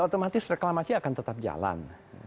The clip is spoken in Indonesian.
otomatis reklamasi akan tetap jalan